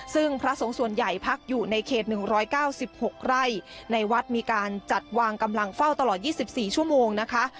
ซึ่งพระสงฆ์ส่วนใหญ่พักอยู่ในเคสหนึ่งร้อยเก้าสิบหกไร่ในวัดมีการจัดวางกำลังเฝ้าตลอดยี่สิบสี่ชั่วโมงนะคะ